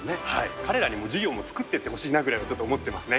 彼らに授業を作っていってほしいなってちょっと思ってますね。